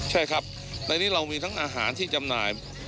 ใช่ครับในนี้เรามีทั้งอาหารที่จำหน่าย